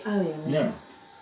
ねえ。